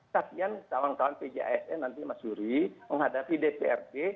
tapi kan kawan kawan pjisn nanti mas yuri menghadapi dprd